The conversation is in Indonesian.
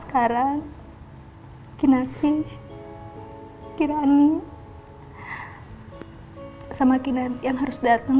sekarang kinasi kirani sama kinanti yang harus datang ke sini